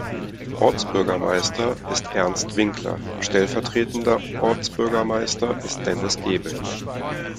Ortsbürgermeister ist Ernst Winkler, stellvertretender Ortsbürgermeister ist Dennis Gebel.